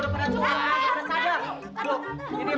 pergi pergi pergi